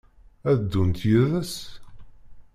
Ad ddunt yid-s?